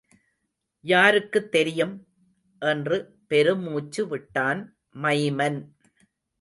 யாருக்குத் தெரியும்? என்று பெருமூச்சு விட்டான் மைமன்.